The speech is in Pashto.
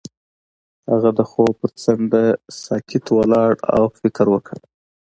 هغه د خوب پر څنډه ساکت ولاړ او فکر وکړ.